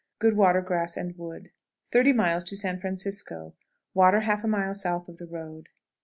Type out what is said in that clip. Good water, grass, and wood. 30.00. San Francisco. Water half a mile south of the road.